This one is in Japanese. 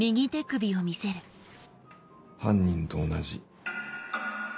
犯人と同じ。